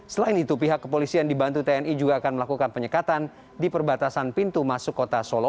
selain itu pihak kepolisian dibantu tni juga akan melakukan penyekatan di perbatasan pintu masuk kota solo